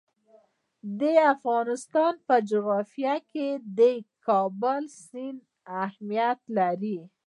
د افغانستان په جغرافیه کې د کابل سیند اهمیت لري.